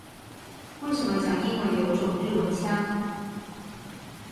為什麼講英文有種日文腔